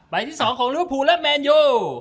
ใบที่สองของรูปภูมิและแมนโย